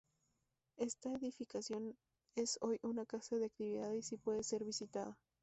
Esta edificación es hoy una casa de actividades y puede ser visitada.